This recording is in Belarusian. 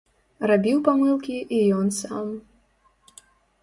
Рабіў памылкі і ён сам.